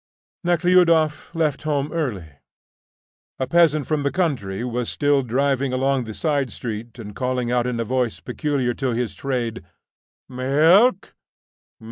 Nekhludoff left home early. A peasant from the country was still driving along the side street and calling out in a voice peculiar to his trade, "Milk!